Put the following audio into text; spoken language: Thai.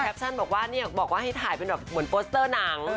แคปชั่นบอกว่าให้ถ่ายเป็นเหมือนโฟสเตอร์หนัง